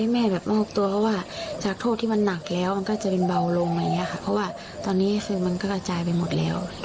มันก็จะเป็นเบาลงไหมพอว่าตอนนี้มันก็กระจายไปหมดแล้ว